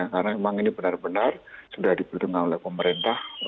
karena memang ini benar benar sudah dipertengah oleh pemerintah